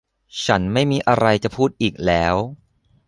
ฉันไม่มีอะไรจะพูดอีกแล้ว